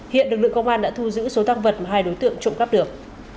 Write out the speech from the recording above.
hiện lực lượng công an đã thu giữ số tăng vật mà hai đối tượng trộm cắp được